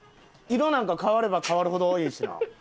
色なんか変われば変わるほどええしな。